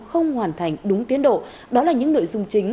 không hoàn thành đúng tiến độ đó là những nội dung chính